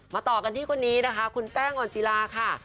ต่อกันที่คนนี้นะคะคุณแป้งอ่อนจิลาค่ะ